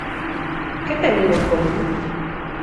Que teñen en común?